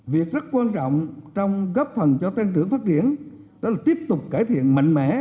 việc rất quan trọng trong góp phần cho tăng trưởng phát triển đó là tiếp tục cải thiện mạnh mẽ